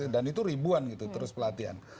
dan itu ribuan terus pelatihan